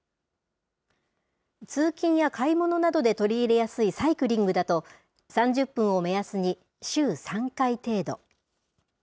通勤や買い物などで取り入れやすいサイクリングだと、３０分を目安に週３回程度。